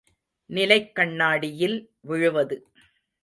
நிலைக் கண்ணாடியில் விழுவது.